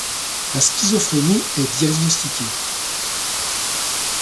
La schizophrénie est diagnostiquée.